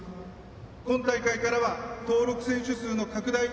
今大会からは、登録選手数の拡大